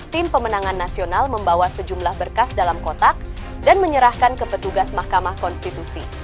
tim pemenangan nasional membawa sejumlah berkas dalam kotak dan menyerahkan ke petugas mahkamah konstitusi